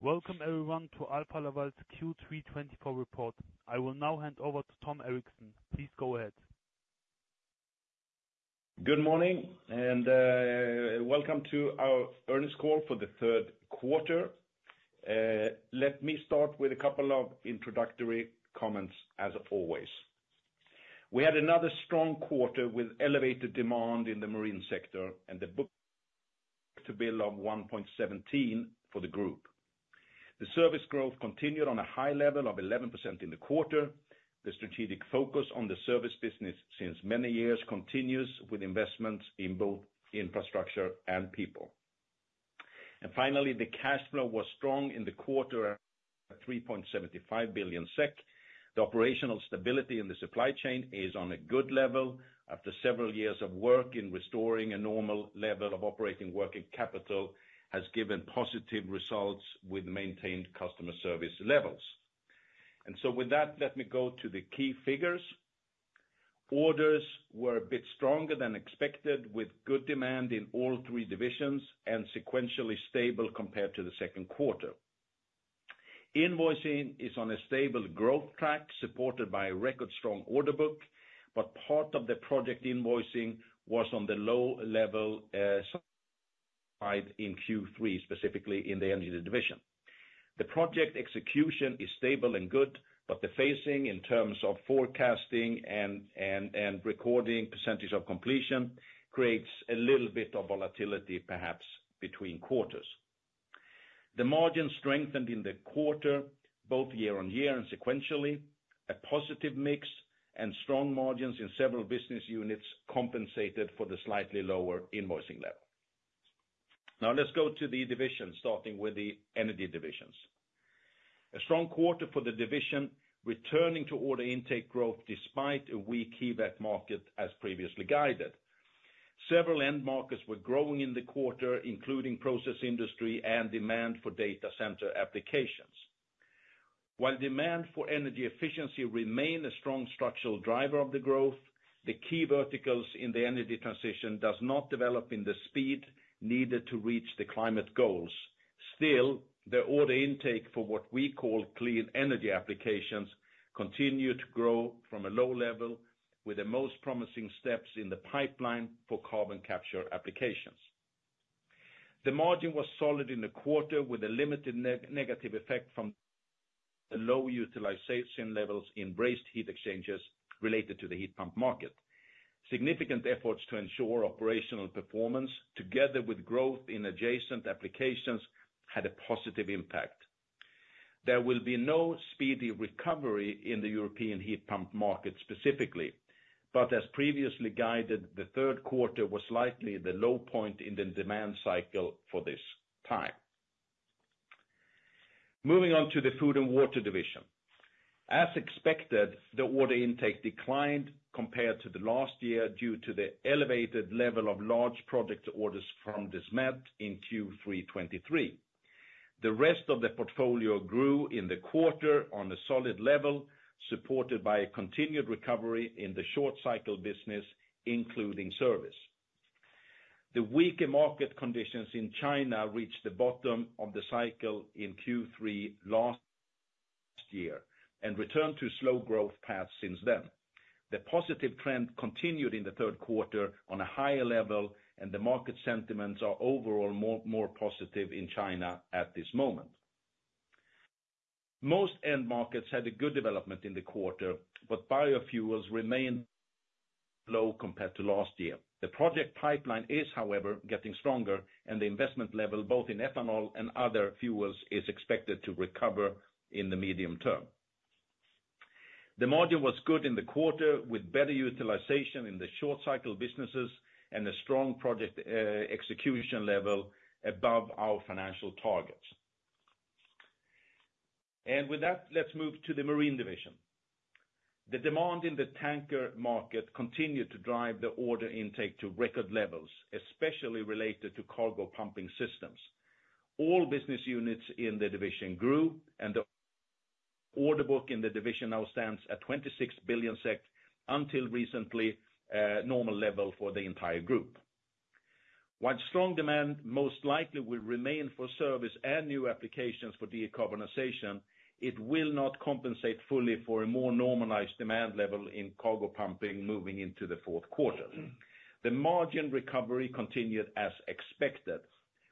Welcome everyone to Alfa Laval's Q3 2024 report. I will now hand over to Tom Erixon. Please go ahead. Good morning, and welcome to our earnings call for the third quarter. Let me start with a couple of introductory comments as always. We had another strong quarter with elevated demand in the marine sector and the book-to-bill of 1.17 for the group. The service growth continued on a high level of 11% in the quarter. The strategic focus on the service business since many years continues with investments in both infrastructure and people. And finally, the cash flow was strong in the quarter, at 3.75 billion SEK. The operational stability in the supply chain is on a good level after several years of work in restoring a normal level of operating working capital has given positive results with maintained customer service levels. And so with that, let me go to the key figures. Orders were a bit stronger than expected, with good demand in all three divisions and sequentially stable compared to the second quarter. Invoicing is on a stable growth track, supported by a record strong order book, but part of the project invoicing was on the low level side in Q3, specifically in the Energy Division. The project execution is stable and good, but the phasing in terms of forecasting and recording percentage of completion creates a little bit of volatility, perhaps between quarters. The margin strengthened in the quarter, both year-on-year and sequentially. A positive mix and strong margins in several business units compensated for the slightly lower invoicing level. Now, let's go to the division, starting with Energy Division. A strong quarter for the division, returning to order intake growth despite a weak HVAC market, as previously guided. Several end markets were growing in the quarter, including process industry and demand for data center applications. While demand for energy efficiency remained a strong structural driver of the growth, the key verticals in the energy transition does not develop in the speed needed to reach the climate goals. Still, the order intake for what we call clean energy applications continue to grow from a low level, with the most promising steps in the pipeline for carbon capture applications. The margin was solid in the quarter, with a limited negative effect from the low utilization levels in brazed heat exchangers related to the heat pump market. Significant efforts to ensure operational performance, together with growth in adjacent applications, had a positive impact. There will be no speedy recovery in the European heat pump market specifically, but as previously guided, the third quarter was likely the low point in the demand cycle for this time. Moving on Food and Water Division. as expected, the order intake declined compared to the last year, due to the elevated level of large project orders from Desmet in Q3 2023. The rest of the portfolio grew in the quarter on a solid level, supported by a continued recovery in the short cycle business, including service. The weaker market conditions in China reached the bottom of the cycle in Q3 last year, and returned to a slow growth path since then. The positive trend continued in the third quarter on a higher level, and the market sentiments are overall more, more positive in China at this moment. Most end markets had a good development in the quarter, but biofuels remained low compared to last year. The project pipeline is, however, getting stronger, and the investment level, both in ethanol and other fuels, is expected to recover in the medium term. The module was good in the quarter, with better utilization in the short cycle businesses and a strong project execution level above our financial targets, and with that, let's move to the Marine Division. The demand in the tanker market continued to drive the order intake to record levels, especially related to cargo pumping systems. All business units in the division grew, and the order book in the division now stands at 26 billion SEK, until recently, normal level for the entire group. While strong demand most likely will remain for service and new applications for decarbonization, it will not compensate fully for a more normalized demand level in cargo pumping moving into the fourth quarter. The margin recovery continued as expected.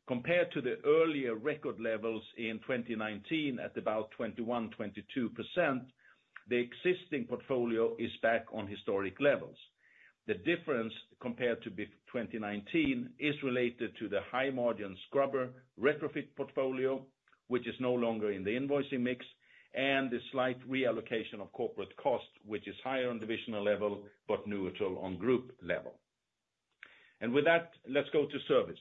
Compared to the earlier record levels in 2019, at about 21-22%, the existing portfolio is back on historic levels. The difference, compared to 2019, is related to the high-margin scrubber retrofit portfolio, which is no longer in the invoicing mix, and a slight reallocation of corporate cost, which is higher on divisional level, but neutral on group level. With that, let's go to service.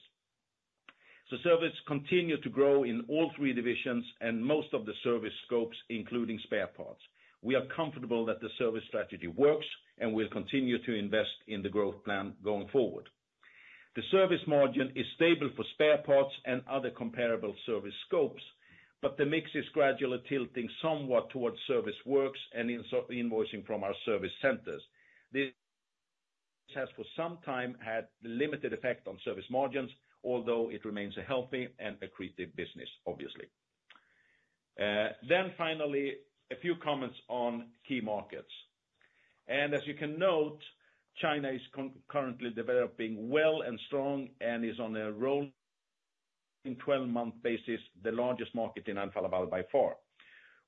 Service continued to grow in all three divisions and most of the service scopes, including spare parts. We are comfortable that the service strategy works, and we'll continue to invest in the growth plan going forward. The service margin is stable for spare parts and other comparable service scopes, but the mix is gradually tilting somewhat towards service works and invoicing from our service centers. This has for some time had limited effect on service margins, although it remains a healthy and accretive business, obviously. Finally, a few comments on key markets. As you can note, China is currently developing well and strong and is on a roll, in twelve-month basis, the largest market in Alfa Laval by far.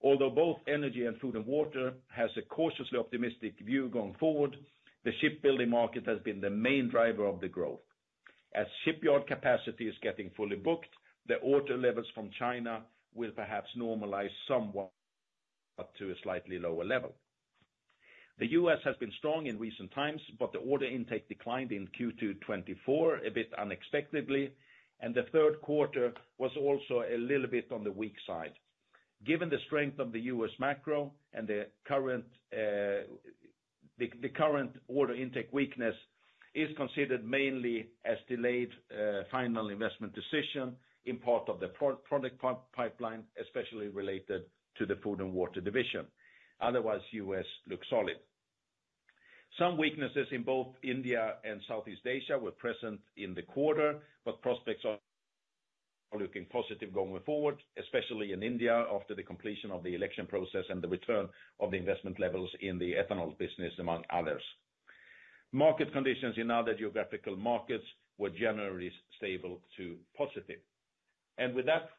Although both energy and Food and Water has a cautiously optimistic view going forward, the shipbuilding market has been the main driver of the growth. As shipyard capacity is getting fully booked, the order levels from China will perhaps normalize somewhat, but to a slightly lower level. The US has been strong in recent times, but the order intake declined in Q2 2024, a bit unexpectedly, and the third quarter was also a little bit on the weak side. Given the strength of the US macro and the current order intake weakness is considered mainly as delayed final investment decision in part of the project pipeline, especially related Food and Water Division. otherwise, us looks solid. Some weaknesses in both India and Southeast Asia were present in the quarter, but prospects are looking positive going forward, especially in India, after the completion of the election process and the return of the investment levels in the ethanol business, among others. Market conditions in other geographical markets were generally stable to positive, and with that,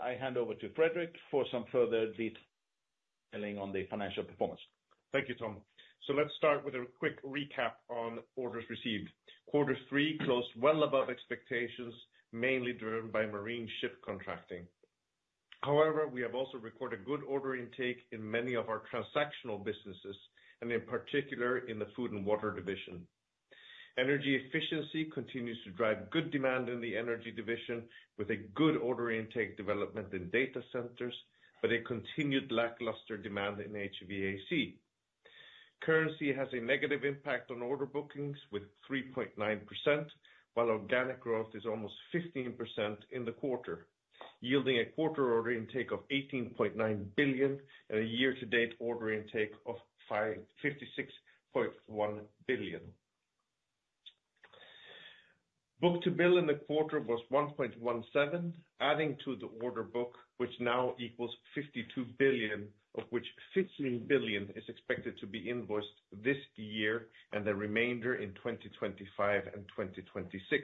I hand over to Fredrik for some further detailing on the financial performance. Thank you, Tom. So let's start with a quick recap on orders received. Quarter three closed well above expectations, mainly driven by marine ship contracting. However, we have also recorded good order intake in many of our transactional businesses, and in particular, Food and Water Division. energy efficiency continues to drive good demand in the Energy Division, with a good order intake development in data centers, but a continued lackluster demand in HVAC. Currency has a negative impact on order bookings with 3.9%, while organic growth is almost 15% in the quarter, yielding a quarter order intake of 18.9 billion and a year-to-date order intake of 556.1 billion. Book-to-bill in the quarter was 1.17, adding to the order book, which now equals 52 billion, of which 15 billion is expected to be invoiced this year and the remainder in 2025 and 2026.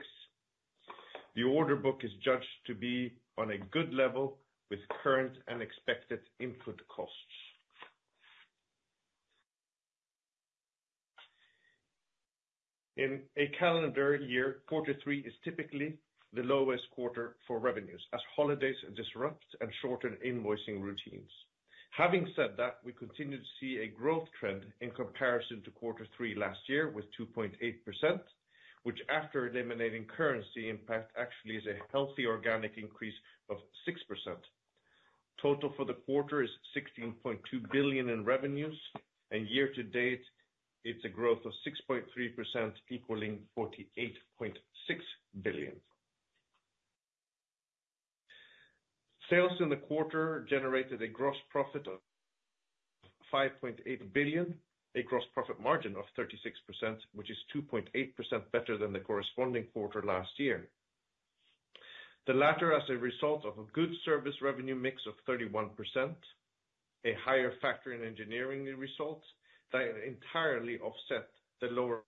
The order book is judged to be on a good level with current and expected input costs. In a calendar year, quarter three is typically the lowest quarter for revenues, as holidays disrupt and shorten invoicing routines. Having said that, we continue to see a growth trend in comparison to quarter three last year, with 2.8%, which, after eliminating currency impact, actually is a healthy organic increase of 6%. Total for the quarter is 16.2 billion in revenues, and year to date, it's a growth of 6.3%, equaling SEK 48.6 billion. Sales in the quarter generated a gross profit of 5.8 billion, a gross profit margin of 36%, which is 2.8% better than the corresponding quarter last year. The latter, as a result of a good service revenue mix of 31%, a higher factory and engineering result that entirely offset the lower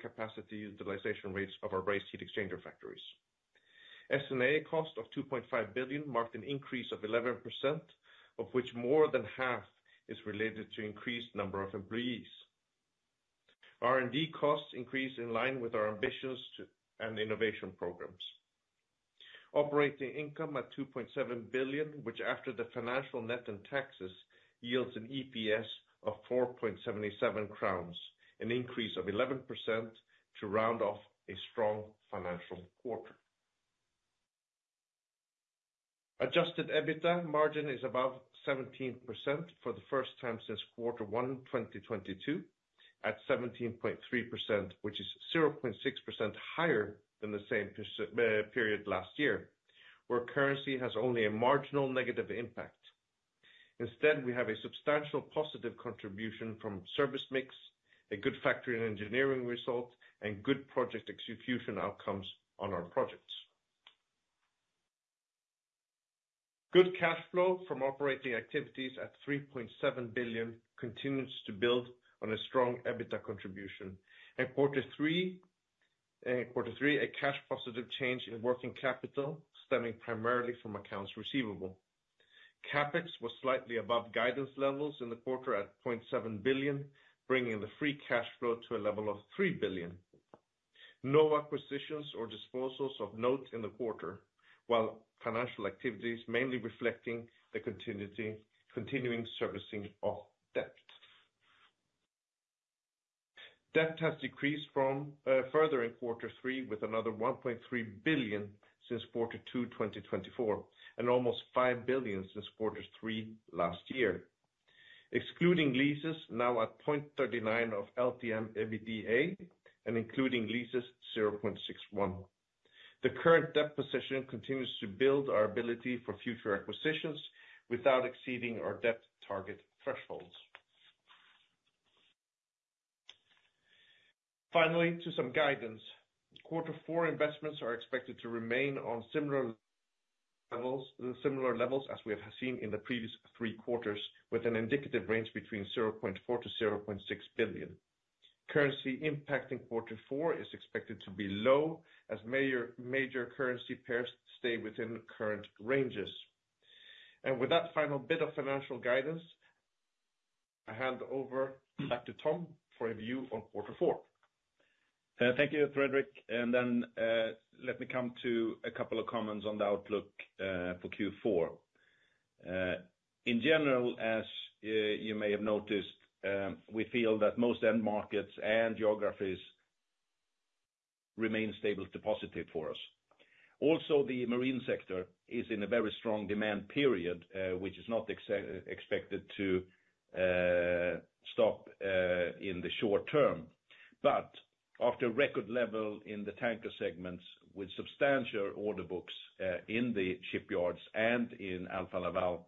capacity utilization rates of our brazed heat exchanger factories. SG&A cost of 2.5 billion marked an increase of 11%, of which more than half is related to increased number of employees. R&D costs increased in line with our ambitions to and innovation programs. Operating income at 2.7 billion, which after the financial net and taxes, yields an EPS of 4.77 crowns, an increase of 11% to round off a strong financial quarter. Adjusted EBITDA margin is above 17% for the first time since quarter one, 2022, at 17.3%, which is 0.6% higher than the same period last year, where currency has only a marginal negative impact. Instead, we have a substantial positive contribution from service mix, a good factory and engineering result, and good project execution outcomes on our projects. Good cash flow from operating activities at 3.7 billion continues to build on a strong EBITDA contribution. In quarter three, a cash positive change in working capital stemming primarily from accounts receivable. CapEx was slightly above guidance levels in the quarter at 0.7 billion, bringing the free cash flow to a level of 3 billion. No acquisitions or disposals of notes in the quarter, while financial activities mainly reflecting the continuing servicing of debt. Debt has decreased further in quarter three, with another 1.3 billion since quarter two, 2024, and almost 5 billion since quarter three last year. Excluding leases, now at 0.39 of LTM EBITDA, and including leases, 0.61. The current debt position continues to build our ability for future acquisitions without exceeding our debt target thresholds. Finally, some guidance. Quarter four investments are expected to remain on similar levels as we have seen in the previous three quarters, with an indicative range between 0.4 billion to 0.6 billion. Currency impact in quarter four is expected to be low as major currency pairs stay within current ranges. And with that final bit of financial guidance, I hand over back to Tom for a view on quarter four. Thank you, Fredrik, and then let me come to a couple of comments on the outlook for Q4. In general, as you may have noticed, we feel that most end markets and geographies remain stable to positive for us. Also, the marine sector is in a very strong demand period, which is not expected to stop in the short term. But after record level in the tanker segments with substantial order books in the shipyards and in Alfa Laval,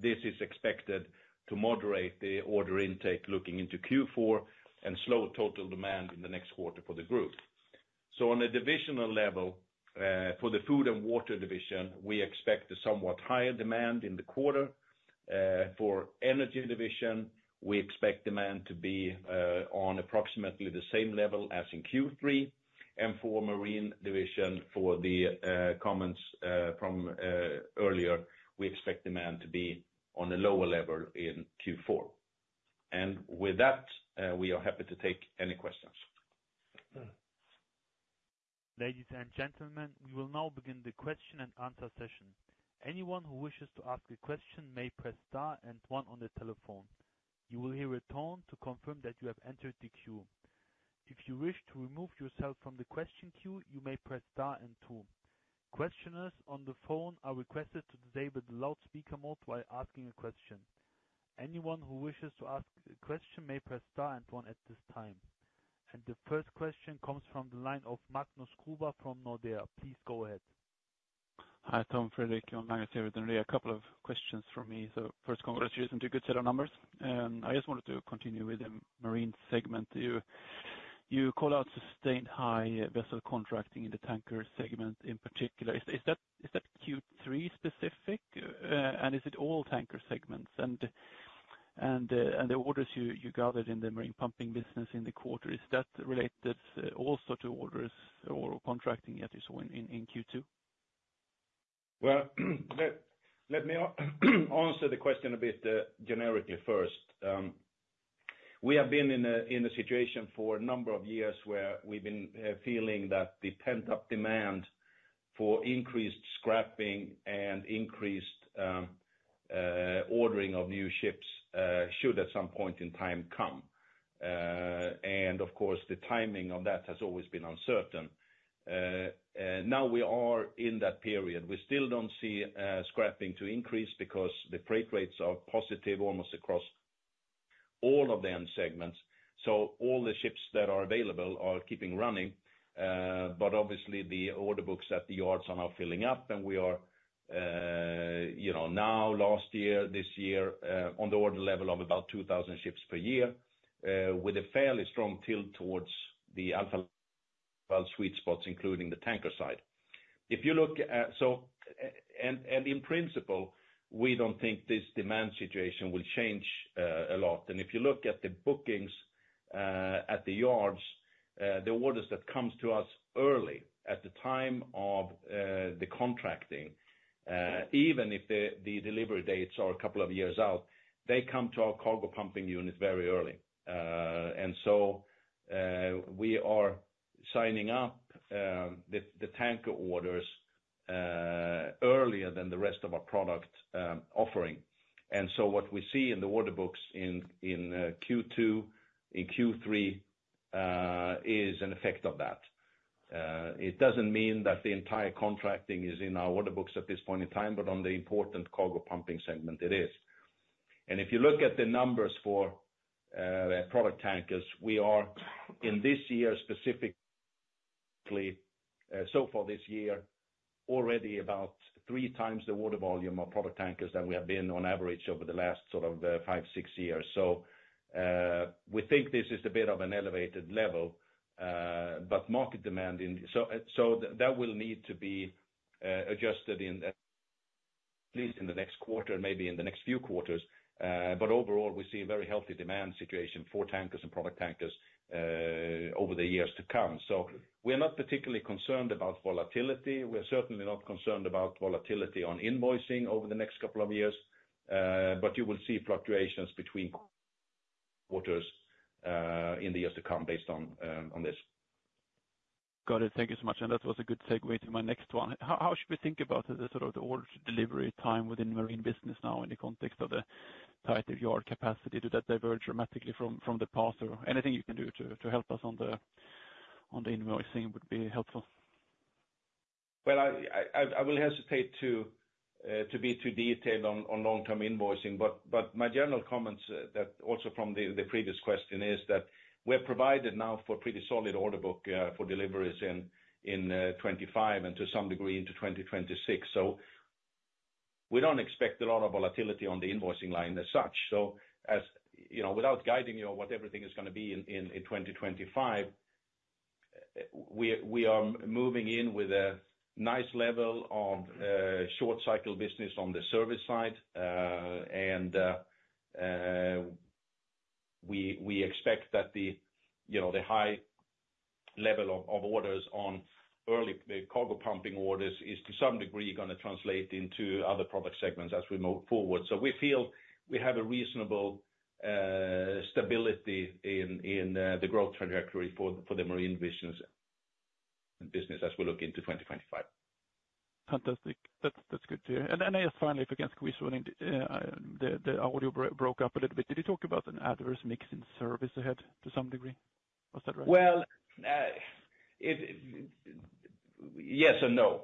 this is expected to moderate the order intake looking into Q4 and slow total demand in the next quarter for the group. So on a divisional level, Food and Water Division, we expect a somewhat higher demand in the quarter. For the Energy Division, we expect demand to be on approximately the same level as in Q3, and for the Marine Division, for the comments from earlier, we expect demand to be on a lower level in Q4. And with that, we are happy to take any questions. Ladies and gentlemen, we will now begin the question-and-answer session. Anyone who wishes to ask a question may press star and one on the telephone. You will hear a tone to confirm that you have entered the queue. If you wish to remove yourself from the question queue, you may press star and two. Questioners on the phone are requested to disable the loudspeaker mode while asking a question. Anyone who wishes to ask a question may press star and one at this time. And the first question comes from the line of Magnus Kruber from Nordea. Please go ahead. Hi, Tom, Fredrik, Magnus here with Nordea. A couple of questions from me. So first, congratulations on the good set of numbers. I just wanted to continue with the marine segment. You call out sustained high vessel contracting in the tanker segment in particular. Is that Q3 specific? And is it all tanker segments? And the orders you gathered in the marine pumping business in the quarter, is that related also to orders or contracting at this one in Q2? Well, let me answer the question a bit generically first. We have been in a situation for a number of years where we've been feeling that the pent-up demand for increased scrapping and increased ordering of new ships should at some point in time come, and of course, the timing of that has always been uncertain. Now we are in that period. We still don't see scrapping to increase because the freight rates are positive almost across all of the end segments. So all the ships that are available are keeping running, but obviously the order books at the yards are now filling up, and we are, you know, now, last year, this year, on the order level of about two thousand ships per year, with a fairly strong tilt towards the Alfa Laval sweet spots, including the tanker side. And in principle, we don't think this demand situation will change a lot. And if you look at the bookings at the yards, the orders that comes to us early at the time of the contracting, even if the delivery dates are a couple of years out, they come to our cargo pumping unit very early. And so, we are signing up the tanker orders earlier than the rest of our product offering. And so what we see in the order books in Q2, in Q3, is an effect of that. It doesn't mean that the entire contracting is in our order books at this point in time, but on the important cargo pumping segment, it is. And if you look at the numbers for product tankers, we are in this year, specifically, so far this year, already about three times the order volume of product tankers than we have been on average over the last sort of five, six years. So, we think this is a bit of an elevated level, but market demand in... So that will need to be adjusted in at least the next quarter, maybe in the next few quarters. But overall, we see a very healthy demand situation for tankers and product tankers over the years to come. So we are not particularly concerned about volatility. We're certainly not concerned about volatility on invoicing over the next couple of years, but you will see fluctuations between quarters in the years to come based on this. Got it. Thank you so much. And that was a good segue to my next one. How should we think about the sort of the order delivery time within marine business now in the context of the tighter yard capacity? Does that diverge dramatically from the past, or anything you can do to help us on the invoicing would be helpful. I will hesitate to be too detailed on long-term invoicing, but my general comments that also from the previous question is that we're provided now for pretty solid order book for deliveries in 2025, and to some degree into 2026. So we don't expect a lot of volatility on the invoicing line as such. So as you know, without guiding you on what everything is gonna be in 2025, we are moving in with a nice level of short-cycle business on the service side. And we expect that you know, the high level of orders on early cargo pumping orders is to some degree gonna translate into other product segments as we move forward. We feel we have a reasonable stability in the growth trajectory for the Marine Division's business as we look into 2025. Fantastic. That's, that's good to hear. And then just finally, if I can squeeze one in, the audio broke up a little bit. Did you talk about an adverse mix in service ahead to some degree? Was that right? Well, yes and no.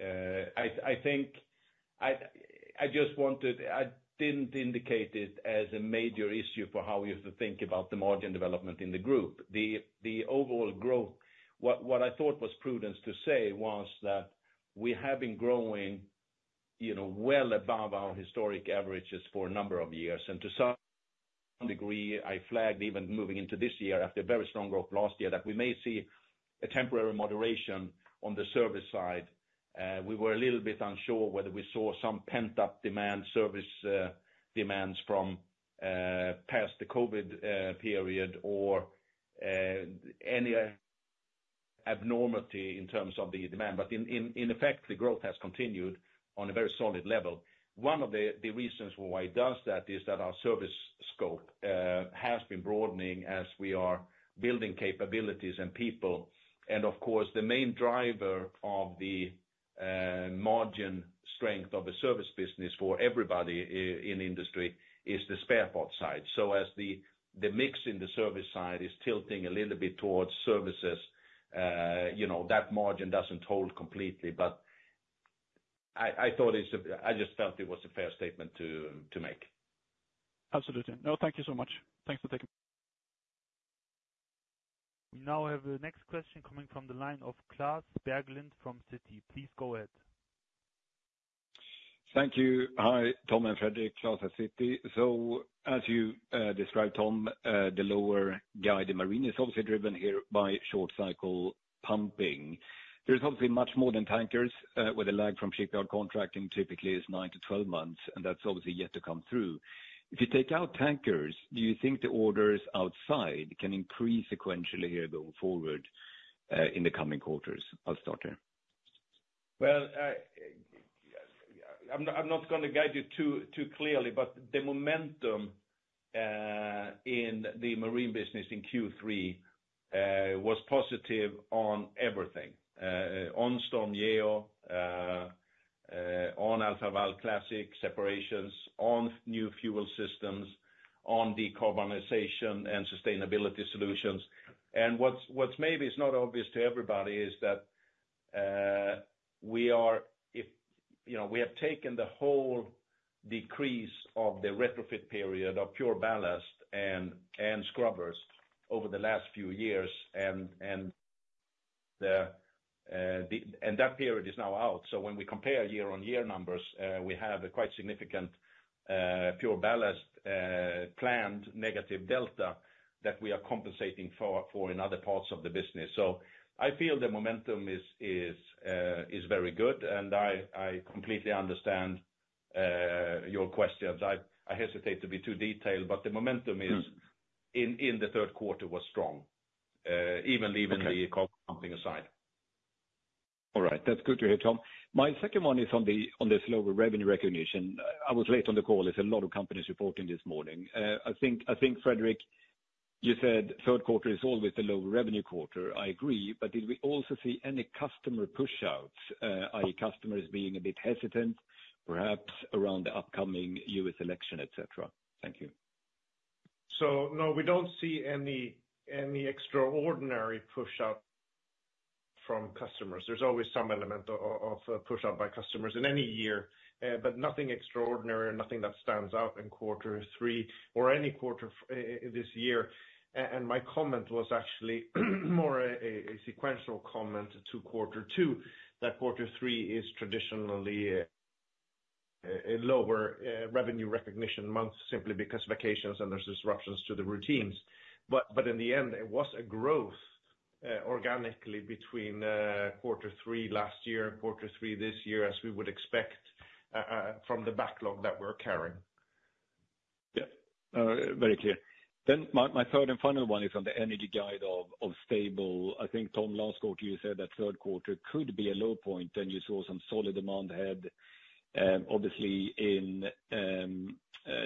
I think I just wanted. I didn't indicate it as a major issue for how we think about the margin development in the group. The overall growth, what I thought was prudence to say was that we have been growing, you know, well above our historic averages for a number of years, and to some degree, I flagged even moving into this year, after a very strong growth last year, that we may see a temporary moderation on the service side. We were a little bit unsure whether we saw some pent-up demand, service demands from past the COVID period or any abnormality in terms of the demand. But in effect, the growth has continued on a very solid level. One of the reasons why it does that is that our service scope has been broadening as we are building capabilities and people. And of course, the main driver of the margin strength of a service business for everybody in industry is the spare parts side. So as the mix in the service side is tilting a little bit towards services, you know, that margin doesn't hold completely, but I thought it's. I just felt it was a fair statement to make. Absolutely. No, thank you so much. Thanks for taking- We now have the next question coming from the line of Klas Bergelind from Citi. Please go ahead. Thank you. Hi, Tom and Fredrik, Clas at Citi. As you described, Tom, the lower guide in marine is obviously driven here by short cycle pumping. There's obviously much more than tankers, where the lag from shipyard contracting typically is nine to twelve months, and that's obviously yet to come through. If you take out tankers, do you think the orders outside can increase sequentially here going forward, in the coming quarters? I'll start there. I'm not gonna guide you too clearly, but the momentum in the marine business in Q3 was positive on everything. On StormGeo, on Alfa Laval classic separators, on new fuel systems, on decarbonization and sustainability solutions. And what's maybe is not obvious to everybody is that, you know, we have taken the whole decrease of the retrofit period of PureBallast and scrubbers over the last few years, and that period is now out. So when we compare year-on-year numbers, we have a quite significant PureBallast planned negative delta that we are compensating for in other parts of the business. So I feel the momentum is very good, and I completely understand your questions. I hesitate to be too detailed, but the momentum is- in the third quarter was strong, even leaving the- Okay pumping aside. All right. That's good to hear, Tom. My second one is on the, on this lower revenue recognition. I was late on the call, there's a lot of companies reporting this morning. I think, Fredrik, you said third quarter is always the lower revenue quarter. I agree, but did we also see any customer pushouts, i.e., customers being a bit hesitant, perhaps around the upcoming U.S. election, et cetera? Thank you. So, no, we don't see any extraordinary pushout from customers. There's always some element of pushout by customers in any year, but nothing extraordinary, nothing that stands out in quarter three or any quarter this year. And my comment was actually more a sequential comment to quarter two, that quarter three is traditionally a lower revenue recognition month, simply because vacations and there's disruptions to the routines. But in the end, it was a growth organically between quarter three last year and quarter three this year, as we would expect from the backlog that we're carrying. Yeah. Very clear. Then my, my third and final one is on the Energy Division of Alfa Laval. I think, Tom, last quarter, you said that third quarter could be a low point, and you saw some solid demand ahead, obviously in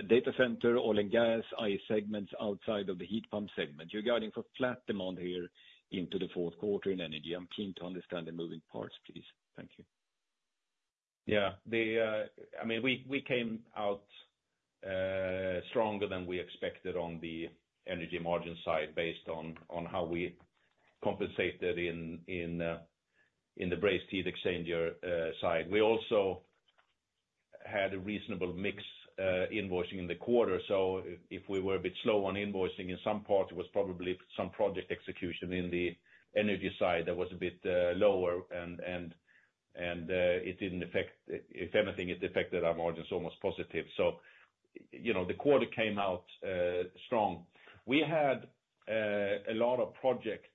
data center, oil and gas, and segments outside of the heat pump segment. You're guiding for flat demand here into the fourth quarter in Energy. I'm keen to understand the moving parts, please. Thank you. Yeah, I mean, we came out stronger than we expected on the energy margin side, based on how we compensated in the Brazed Heat Exchanger side. We also had a reasonable mix invoicing in the quarter. So if we were a bit slow on invoicing in some part, it was probably some project execution in the energy side that was a bit lower. And it didn't affect. If anything, it affected our margins almost positive. So, you know, the quarter came out strong. We had a lot of project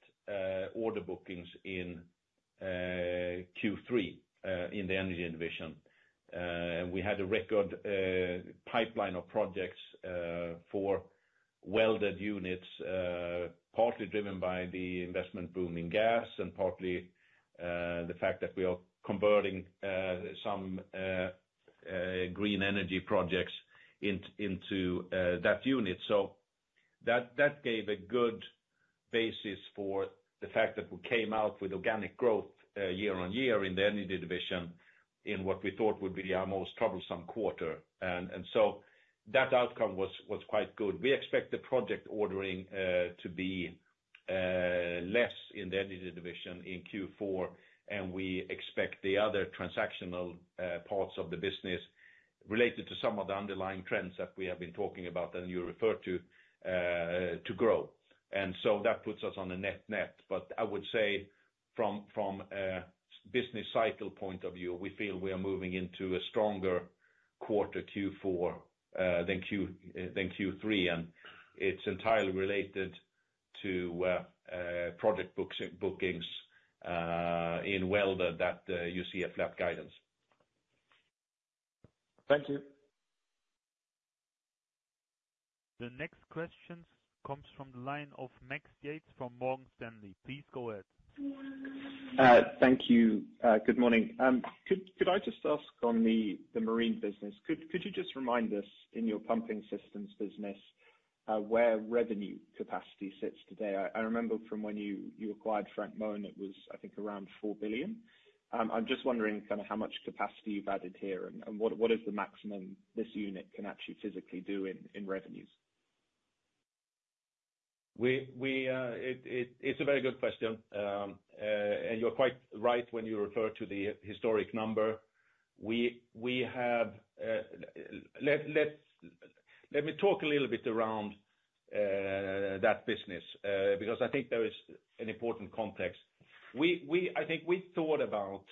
order bookings in Q3 in the Energy Division. We had a record pipeline of projects for welded units, partly driven by the investment boom in gas, and partly the fact that we are converting some green energy projects into that unit. So that gave a good basis for the fact that we came out with organic growth year-on-year in the Energy Division, in what we thought would be our most troublesome quarter. And so that outcome was quite good. We expect the project ordering to be less in the Energy Division in Q4, and we expect the other transactional parts of the business related to some of the underlying trends that we have been talking about, and you referred to, to grow. And so that puts us on a net-net. But I would say from a business cycle point of view, we feel we are moving into a stronger quarter Q4 than Q3, and it's entirely related to project bookings in welded that you see a flat guidance. Thank you. The next question comes from the line of Max Yates from Morgan Stanley. Please go ahead. Thank you. Good morning. Could I just ask on the marine business, could you just remind us, in your pumping systems business, where revenue capacity sits today? I remember from when you acquired Frank Mohn, it was, I think, around four billion. I'm just wondering kind of how much capacity you've added here, and what is the maximum this unit can actually physically do in revenues? It's a very good question. You're quite right when you refer to the historic number. Let me talk a little bit around that business, because I think there is an important context. We thought about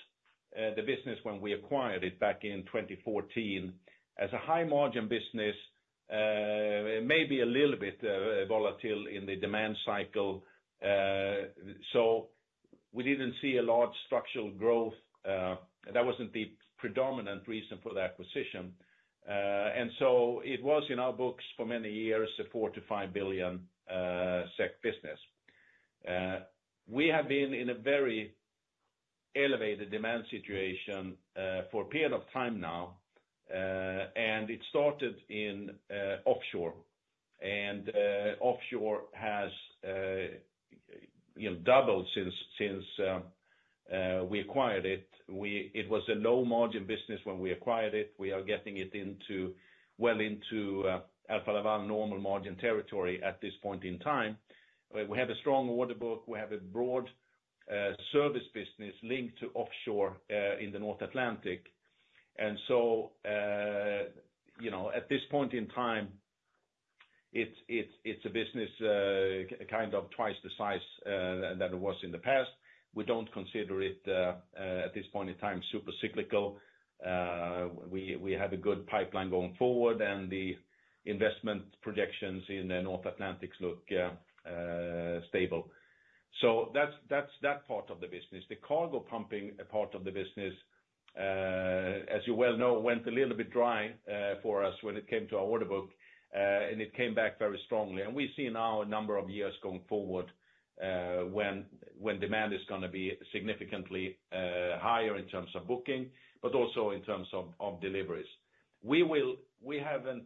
the business when we acquired it back in 2014, as a high margin business, maybe a little bit volatile in the demand cycle. We didn't see a large structural growth. That wasn't the predominant reason for the acquisition. It was in our books for many years, a 4-5 billion SEK business. We have been in a very elevated demand situation for a period of time now, and it started in offshore. Offshore has you know doubled since we acquired it. It was a low-margin business when we acquired it. We are getting it into well into Alfa Laval normal margin territory at this point in time. We have a strong order book. We have a broad service business linked to offshore in the North Atlantic. And so you know at this point in time it's a business kind of twice the size than it was in the past. We don't consider it at this point in time super cyclical. We have a good pipeline going forward, and the investment projections in the North Atlantic look stable. So that's that part of the business. The cargo pumping part of the business, as you well know, went a little bit dry for us when it came to our order book. And it came back very strongly. And we see now a number of years going forward when demand is gonna be significantly higher in terms of booking, but also in terms of deliveries. We haven't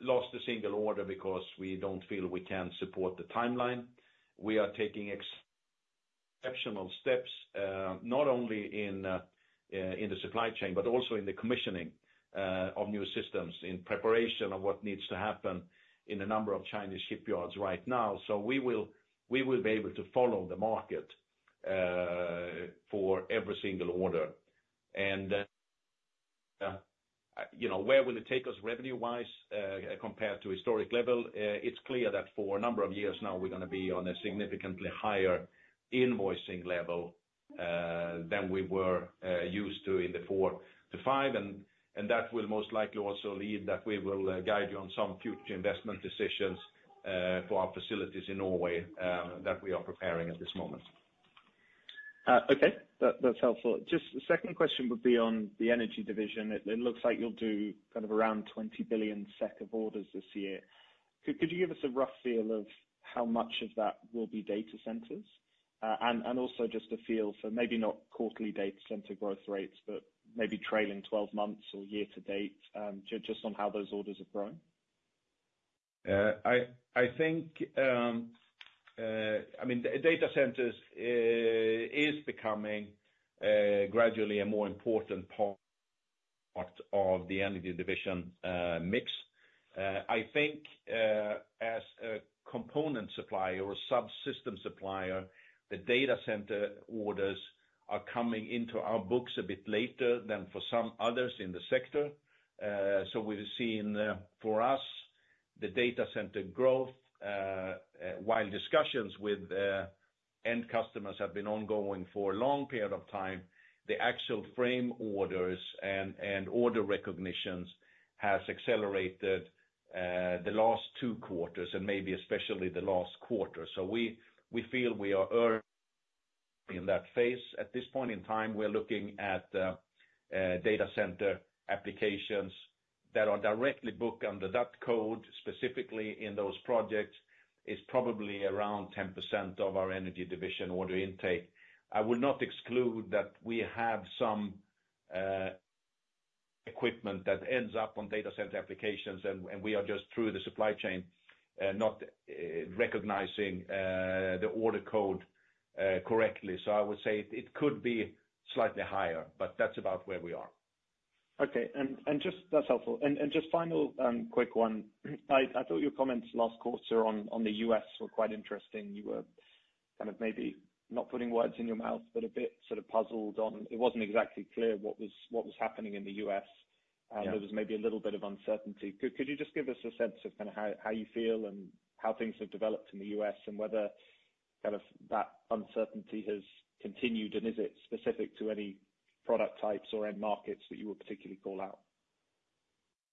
lost a single order because we don't feel we can support the timeline. We are taking exceptional steps, not only in the supply chain, but also in the commissioning of new systems, in preparation of what needs to happen in a number of Chinese shipyards right now. So we will be able to follow the market for every single order. You know, where will it take us revenue-wise, compared to historic level? It's clear that for a number of years now, we're gonna be on a significantly higher invoicing level than we were used to in the four to five. That will most likely also lead that we will guide you on some future investment decisions for our facilities in Norway that we are preparing at this moment. Okay. That's helpful. Just the second question would be on the Energy Division. It looks like you'll do kind of around 20 billion SEK of orders this year. Could you give us a rough feel of how much of that will be data centers? And also just a feel for maybe not quarterly data center growth rates, but maybe trailing twelve months or year to date, just on how those orders are growing. I think, I mean, data centers is becoming gradually a more important part of the Energy Division mix. I think, as a component supplier or subsystem supplier, the data center orders are coming into our books a bit later than for some others in the sector. So we've seen, for us, the data center growth, while discussions with end customers have been ongoing for a long period of time, the actual frame orders and order recognitions has accelerated the last two quarters, and maybe especially the last quarter. So we feel we are early in that phase. At this point in time, we're looking at data center applications that are directly booked under that code, specifically in those projects, is probably around 10% of our Energy Division order intake. I would not exclude that we have some equipment that ends up on data center applications, and we are just through the supply chain not recognizing the order code correctly. So I would say it could be slightly higher, but that's about where we are. Okay, and just, that's helpful. And just final quick one. I thought your comments last quarter on the US were quite interesting. You were kind of maybe, not putting words in your mouth, but a bit sort of puzzled on... It wasn't exactly clear what was happening in the US. Yeah. There was maybe a little bit of uncertainty. Could you just give us a sense of kind of how you feel and how things have developed in the U.S., and whether, kind of, that uncertainty has continued? And is it specific to any product types or end markets that you would particularly call out?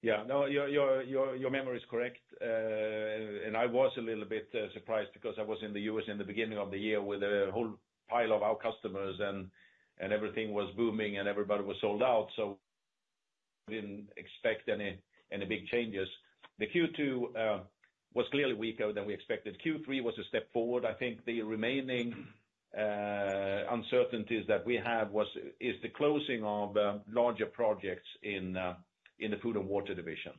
Yeah, no, your memory is correct. And I was a little bit surprised, because I was in the US in the beginning of the year with a whole pile of our customers, and everything was booming, and everybody was sold out, so didn't expect any big changes. The Q2 was clearly weaker than we expected. Q3 was a step forward. I think the remaining uncertainties that we have was is the closing of larger projects Food and Water Division.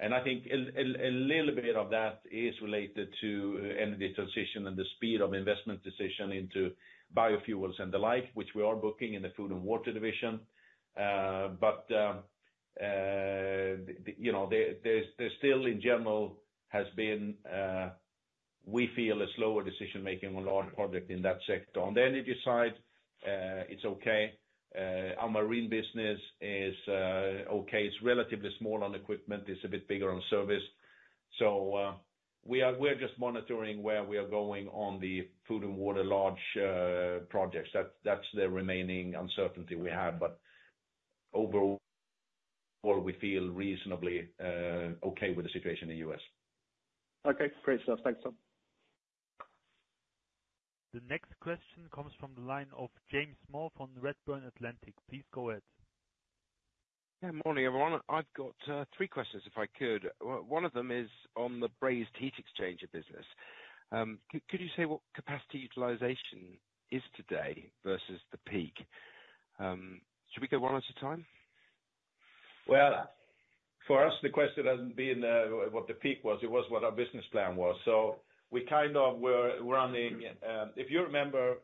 and i think a little bit of that is related to energy transition and the speed of investment decision into biofuels and the like, which we are booking in the Food and Water Division. But, you know, there still in general has been, we feel, a slower decision-making on large project in that sector. On the energy side, it's okay. Our marine business is okay. It's relatively small on equipment, it's a bit bigger on service. So, we're just monitoring where we are going on the Food and Water large, projects. That's the remaining uncertainty we have, but overall, we feel reasonably, okay with the situation in the US. Okay, great stuff. Thanks, Tom. The next question comes from the line of James Moore from Redburn Atlantic. Please go ahead. Yeah, morning, everyone. I've got three questions, if I could. One of them is on the brazed heat exchanger business. Could you say what capacity utilization is today versus the peak? Should we go one at a time? For us, the question hasn't been what the peak was, it was what our business plan was. So we kind of were running, if you remember,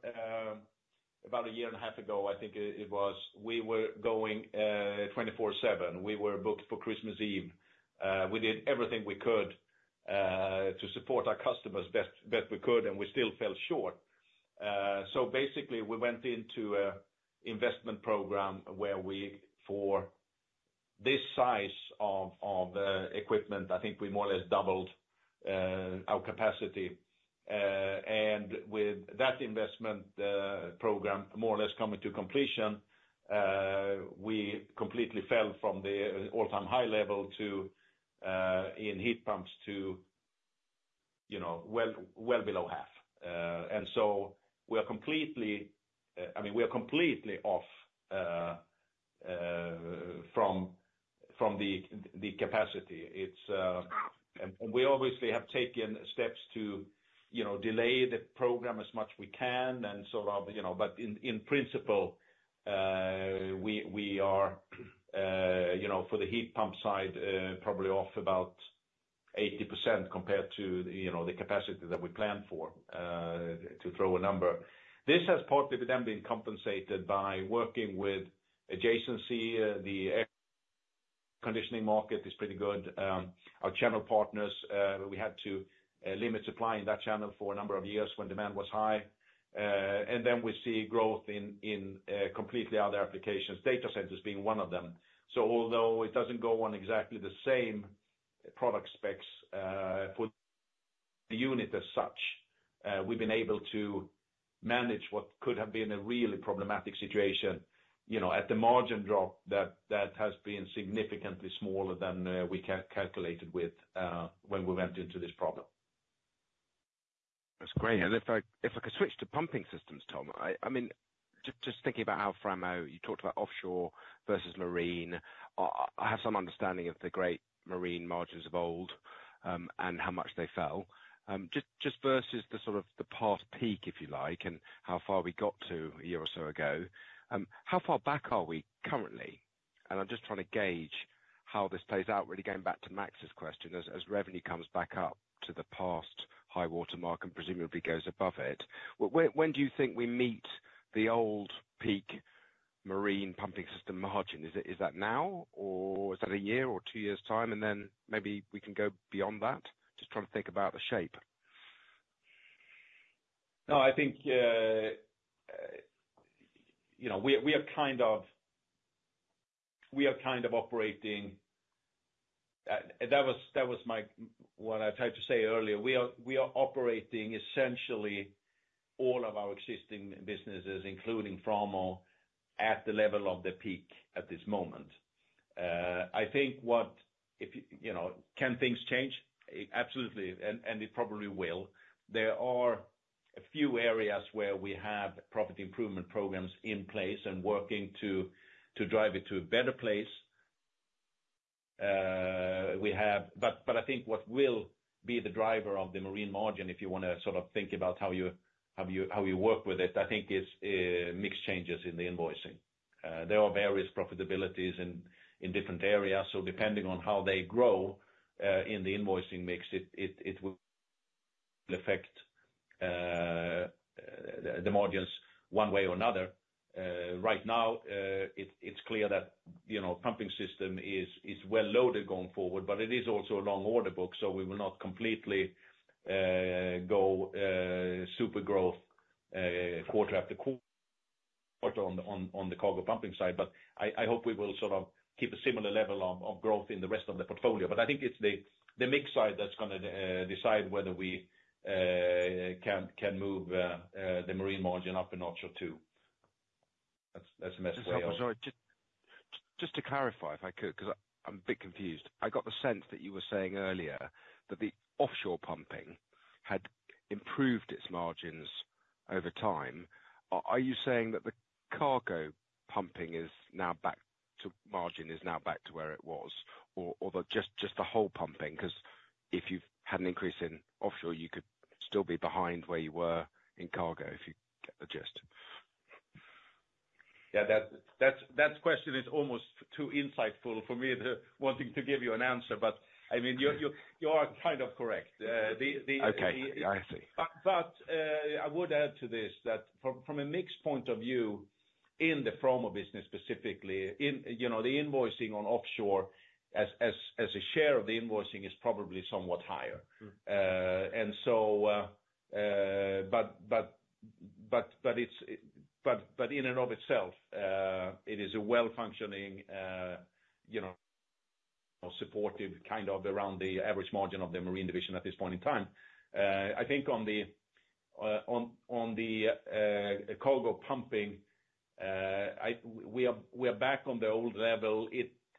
about a year and a half ago, I think it was, we were going 24/7. We were booked for Christmas Eve. We did everything we could to support our customers best we could, and we still fell short. So basically, we went into a investment program where we, for this size of equipment, I think we more or less doubled our capacity. And with that investment program more or less coming to completion, we completely fell from the all-time high level to in heat pumps to, you know, well below half. And so we are completely, I mean, we are completely off from the capacity. It's... And we obviously have taken steps to, you know, delay the program as much we can, and sort of, you know. But in principle, we are, you know, for the heat pump side, probably off about 80% compared to, you know, the capacity that we planned for, to throw a number. This has partly then been compensated by working with adjacency. The air conditioning market is pretty good. Our channel partners, we had to limit supply in that channel for a number of years when demand was high. And then we see growth in completely other applications, data centers being one of them. So although it doesn't go on exactly the same product specs, for the unit as such, we've been able to manage what could have been a really problematic situation. You know, at the margin drop, that has been significantly smaller than we calculated with, when we went into this problem. That's great. And if I could switch to pumping systems, Tom, I mean, just thinking about Framo, you talked about offshore versus marine. I have some understanding of the great marine margins of old, and how much they fell. Just versus the sort of the past peak, if you like, and how far we got to a year or so ago, how far back are we currently? And I'm just trying to gauge how this plays out, really going back to Max's question, as revenue comes back up to the past high water mark and presumably goes above it. When do you think we meet the old peak marine pumping system margin? Is it now, or is that a year or two years' time, and then maybe we can go beyond that? Just trying to think about the shape. No, I think, you know, we are kind of operating. That was my what I tried to say earlier. We are operating essentially all of our existing businesses, including Framo, at the level of the peak at this moment. I think what if, you know, can things change? Absolutely, and it probably will. There are a few areas where we have productivity improvement programs in place and working to drive it to a better place. But I think what will be the driver of the marine margin, if you wanna sort of think about how you work with it, I think is mix changes in the invoicing. There are various profitabilities in different areas, so depending on how they grow in the invoicing mix, it will affect the margins one way or another. Right now, it's clear that, you know, pumping system is well loaded going forward, but it is also a long order book, so we will not completely go super growth quarter after quarter on the cargo pumping side. But I hope we will sort of keep a similar level of growth in the rest of the portfolio. But I think it's the mix side that's gonna decide whether we can move the marine margin up a notch or two. That's the message I have. I'm sorry, just to clarify, if I could, 'cause I'm a bit confused. I got the sense that you were saying earlier that the offshore pumping had improved its margins over time. Are you saying that the cargo pumping is now back to... Margin is now back to where it was, or just the whole pumping? 'Cause if you've had an increase in offshore, you could still be behind where you were in cargo, if you get the gist. Yeah, that question is almost too insightful for me to wanting to give you an answer. But, I mean, you are kind of correct. Okay. I see. But I would add to this, that from a mix point of view, in the Framo business specifically, in, you know, the invoicing on offshore as a share of the invoicing is probably somewhat higher. Mm. But in and of itself, it is a well-functioning, you know, supportive, kind of around the average margin of the Marine Division at this point in time. I think on the cargo pumping, we are back on the old level.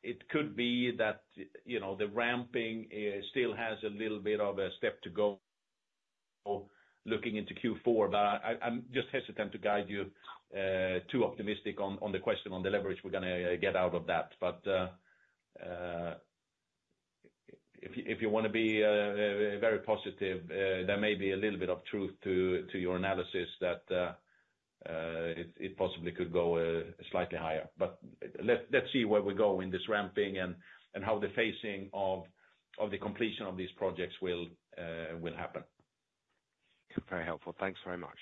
It could be that, you know, the ramping still has a little bit of a step to go looking into Q4. But I'm just hesitant to guide you too optimistic on the question on the leverage we're gonna get out of that. But if you wanna be very positive, there may be a little bit of truth to your analysis that it possibly could go slightly higher. But let's see where we go in this ramping and how the phasing of the completion of these projects will happen. Very helpful. Thanks very much.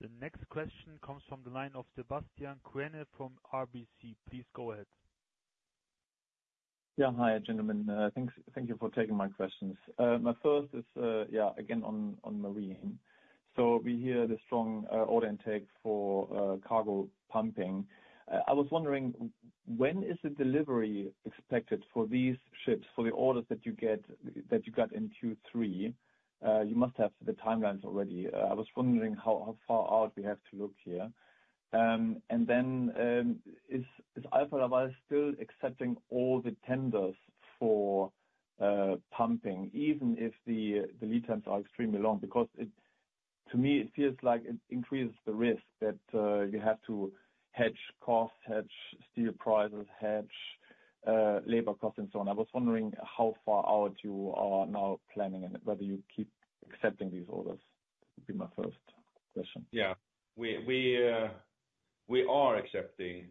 The next question comes from the line of Sebastian Kuenne from RBC. Please go ahead. Yeah. Hi, gentlemen. Thanks, thank you for taking my questions. My first is, yeah, again, on, on marine. So we hear the strong order intake for cargo pumping. I was wondering, when is the delivery expected for these ships, for the orders that you get, that you got in Q3? You must have the timelines already. I was wondering how far out we have to look here. And then, is Alfa Laval still accepting all the tenders for pumping, even if the lead times are extremely long? Because it, to me, it feels like it increases the risk that you have to hedge costs, hedge steel prices, hedge labor costs, and so on. I was wondering how far out you are now planning and whether you keep accepting these orders? Would be my first question. Yeah. We are accepting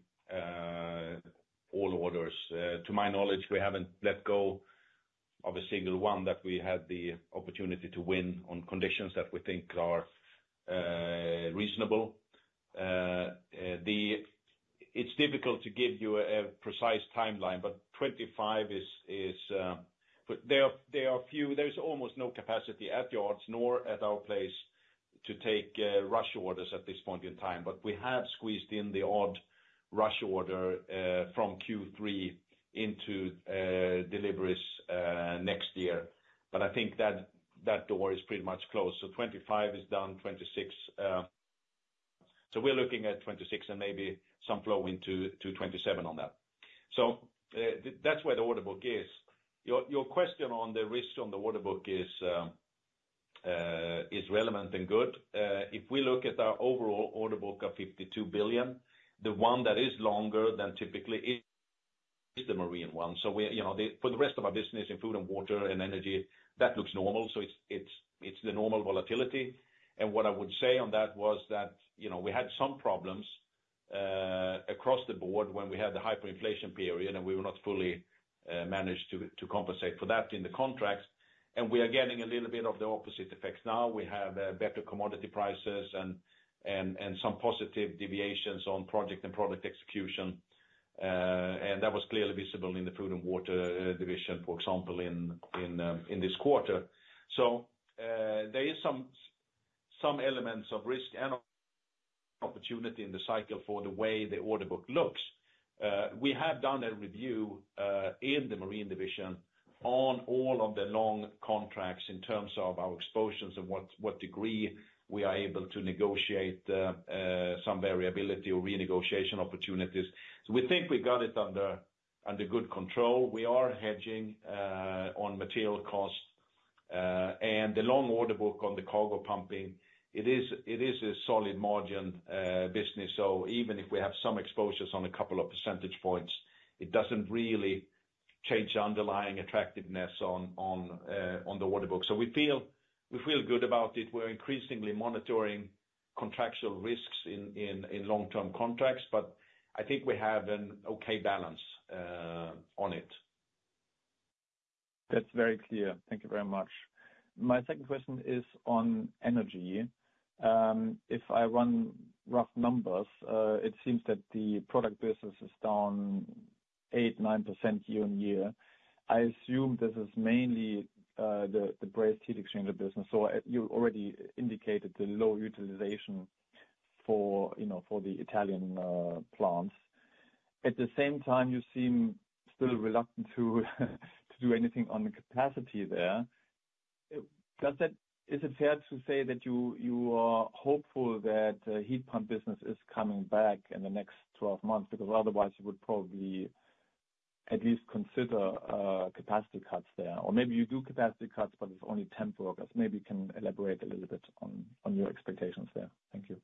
all orders. To my knowledge, we haven't let go of a single one that we had the opportunity to win on conditions that we think are reasonable. It's difficult to give you a precise timeline, but 2025 is, but there is almost no capacity at yards nor at our place to take rush orders at this point in time. But we have squeezed in the odd rush order from Q3 into deliveries next year. But I think that door is pretty much closed. 2025 is done, 2026. We're looking at 2026 and maybe some flow into 2027 on that. That's where the order book is. Your question on the risks on the order book is relevant and good. If we look at our overall order book of 52 billion, the one that is longer than typically is the marine one. So we, you know, the for the rest of our business in Food and Water and energy, that looks normal, so it's the normal volatility. And what I would say on that was that, you know, we had some problems across the board when we had the hyperinflation period, and we were not fully managed to compensate for that in the contracts. And we are getting a little bit of the opposite effects now. We have better commodity prices and some positive deviations on project and product execution. And that was clearly visible Food and Water Division, for example, in this quarter. So there is some elements of risk and opportunity in the cycle for the way the order book looks. We have done a review in the Marine Division on all of the long contracts in terms of our exposures and what degree we are able to negotiate some variability or renegotiation opportunities. So we think we got it under good control. We are hedging on material costs and the long order book on the cargo pumping. It is a solid margin business. So even if we have some exposures on a couple of percentage points, it doesn't really change the underlying attractiveness on the order book. So we feel, we feel good about it. We're increasingly monitoring contractual risks in long-term contracts, but I think we have an okay balance on it. That's very clear. Thank you very much. My second question is on energy. If I run rough numbers, it seems that the product business is down 8-9% year-on-year. I assume this is mainly the brazed heat exchanger business, so you already indicated the low utilization for, you know, for the Italian plants. At the same time, you seem still reluctant to do anything on the capacity there. Does that- is it fair to say that you are hopeful that heat pump business is coming back in the next twelve months? Because otherwise, you would probably at least consider capacity cuts there, or maybe you do capacity cuts, but it's only temporary. Maybe you can elaborate a little bit on your expectations there. Thank you.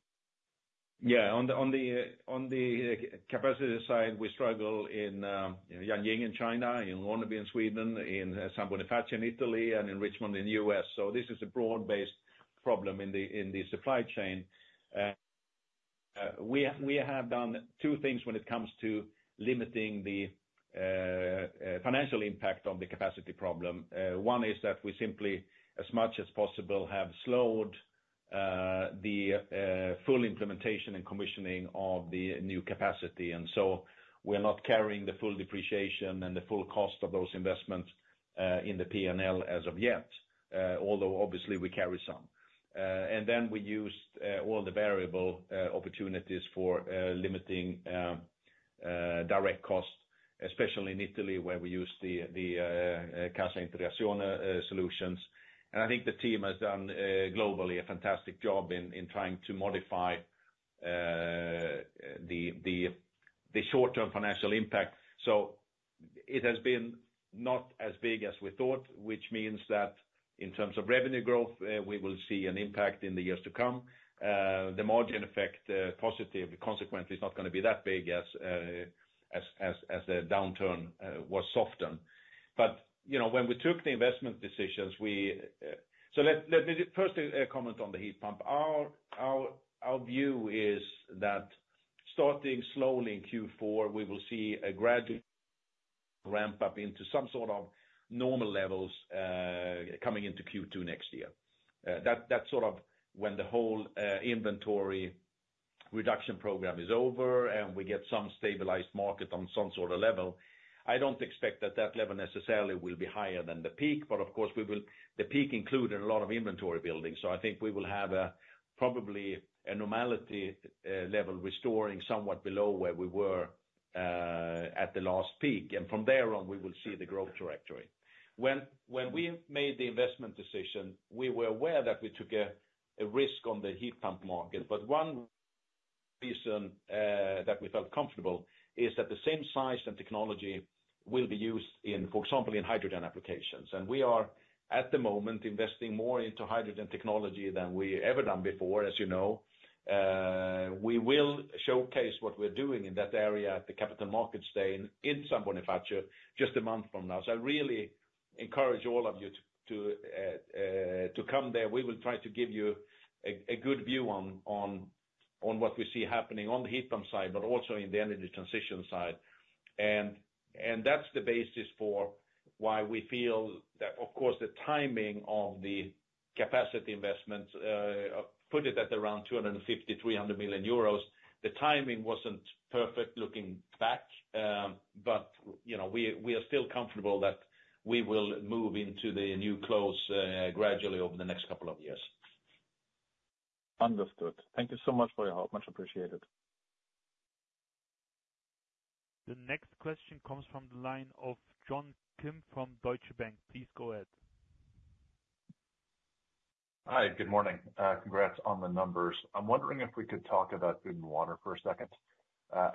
Yeah, on the capacity side, we struggle in Jiangyin in China, in Ronneby in Sweden, in San Bonifacio in Italy, and in Richmond, in the US. So this is a broad-based problem in the supply chain. We have done two things when it comes to limiting the financial impact on the capacity problem. One is that we simply, as much as possible, have slowed the full implementation and commissioning of the new capacity. And so we are not carrying the full depreciation and the full cost of those investments in the P&L as of yet, although obviously we carry some. And then we used all the variable opportunities for limiting direct costs, especially in Italy, where we use the Cassa Integrazione solutions. I think the team has done globally a fantastic job in trying to modify the short-term financial impact. It has been not as big as we thought, which means that in terms of revenue growth, we will see an impact in the years to come. The margin effect positive consequently is not gonna be that big as the downturn was softened. You know, when we took the investment decisions, we... Let me first comment on the heat pump. Our view is that starting slowly in Q4, we will see a gradual ramp up into some sort of normal levels coming into Q2 next year. That, that's sort of when the whole inventory reduction program is over, and we get some stabilized market on some sort of level. I don't expect that that level necessarily will be higher than the peak, but of course, the peak included a lot of inventory building. So I think we will have a, probably a normality level restoring somewhat below where we were at the last peak. And from there on, we will see the growth trajectory. When we made the investment decision, we were aware that we took a risk on the heat pump market. But one reason that we felt comfortable is that the same size and technology will be used in, for example, in hydrogen applications. And we are, at the moment, investing more into hydrogen technology than we ever done before, as you know. We will showcase what we're doing in that area at the Capital Markets Day in San Bonifacio, just a month from now. I really encourage all of you to come there. We will try to give you a good view on what we see happening on the heat pump side, but also in the energy transition side, and that's the basis for why we feel that, of course, the timing of the capacity investments put it at around 250-300 million euros. The timing wasn't perfect, looking back, but you know, we are still comfortable that we will move into the new plant gradually over the next couple of years. Understood. Thank you so much for your help. Much appreciated. The next question comes from the line of John Kim, from Deutsche Bank. Please go ahead. Hi, good morning. Congrats on the numbers. I'm wondering if we could talk about Food and Water for a second.